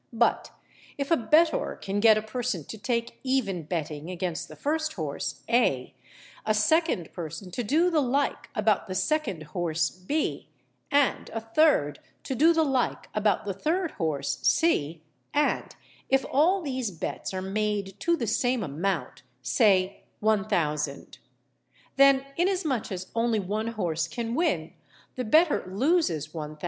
But if a bettor can get a person to take even betting against the first horse (A), a second person to do the like about the second horse (B), and a third to do the like about the third horse (C), and if all these bets are made to the same amount—say 1000_l._—then, inasmuch as only one horse can win, the bettor loses 1000_l.